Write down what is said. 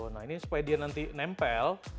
nah ini supaya dia nanti nempel